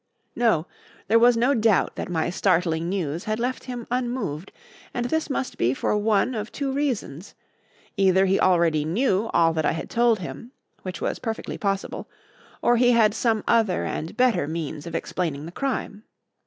No; there was no doubt that my startling news had left him unmoved, and this must be for one of two reasons: either he already knew all that I had told him (which was perfectly possible), or he had some other and better means of explaining the crime.